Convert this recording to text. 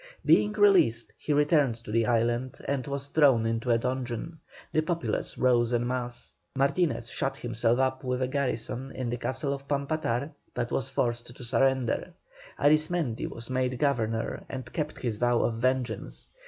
Being released, he returned to the island and was thrown into a dungeon. The populace rose en masse. Martinez shut himself up with a garrison in the castle of Pampatar, but was forced to surrender; Arismendi was made governor and kept his vow of vengeance.